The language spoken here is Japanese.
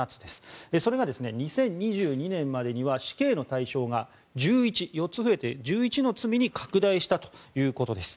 それが２０２２年までには死刑の対象が４つ増えて１１の罪に拡大したということです。